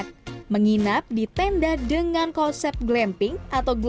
pula yang terbaik di pulau onrus adalah pulau yang terbaik di pulau onrus